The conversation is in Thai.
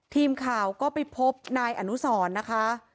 ทีมข่าวก็ไปพบนายอนุสรนะคะ